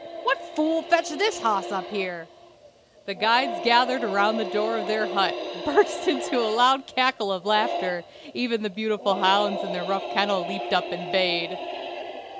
"What fool fetched his hoss up here?" The guides gathered about the door of their hut, burst into a loud cackle of laughter; even the beautiful hounds in their rough kennel leaped up and bayed.